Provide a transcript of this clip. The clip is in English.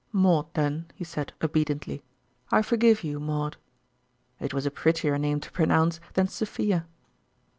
" Maud, then," he said obediently ;" I for give you, Maud." It was a prettier name to pronounce than Sophia.